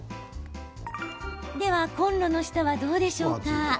ではコンロの下はどうでしょうか。